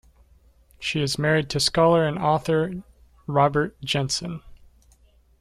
She is married to scholar and author Robert Jensen.